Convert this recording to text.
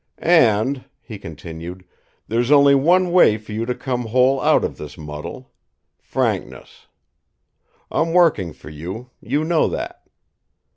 "And," he continued, "there's only one way for you to come whole out of this muddle frankness. I'm working for you; you know that.